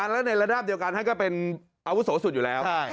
และในระดับเดียวกันท่านก็เป็นอาวุโสสุดอยู่แล้ว